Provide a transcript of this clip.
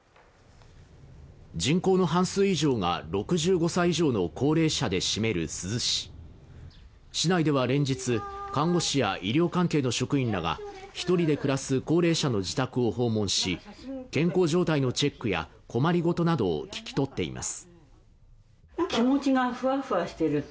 人口の半数以上が６５歳以上の高齢者で占める珠洲市市内では連日看護師や医療関係の職員らが１人で暮らす高齢者の自宅を訪問し、健康状態のチェックや困りごとなどを聞き取っています。